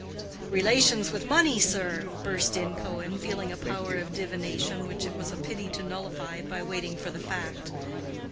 "Relations with money, sir?" burst in Cohen, feeling a power of divination which it was a pity to nullify by waiting for the fact.